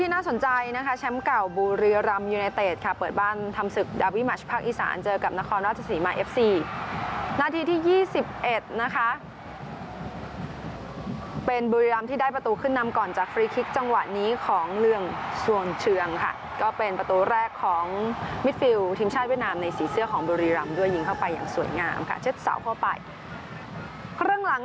น่าสนใจนะคะแชมป์เก่าบุรีรำยูไนเต็ดค่ะเปิดบ้านทำศึกดาวิมัชภาคอีสานเจอกับนครราชสีมาเอฟซีนาทีที่๒๑นะคะเป็นบุรีรำที่ได้ประตูขึ้นนำก่อนจากฟรีคลิกจังหวะนี้ของเรืองชวนเชืองค่ะก็เป็นประตูแรกของมิดฟิลทีมชาติเวียดนามในสีเสื้อของบุรีรำด้วยยิงเข้าไปอย่างสวยงามค่ะเช็ดเสาเข้าไปครึ่งหลัง